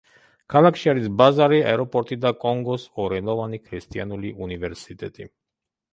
ქალაქში არის ბაზარი, აეროპორტი და კონგოს ორენოვანი ქრისტიანული უნივერსიტეტი.